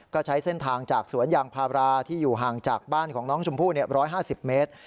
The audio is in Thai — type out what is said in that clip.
ก็ใช้เส้นทางจากสวนยางพาราที่อยู่ห่างจากบ้านของน้องชมพู่๑๕๐เมตร